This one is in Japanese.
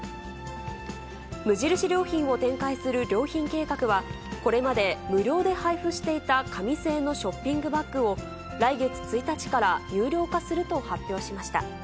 無印良品を展開する良品計画は、これまで無料で配布していた紙製のショッピングバッグを、来月１日から有料化すると発表しました。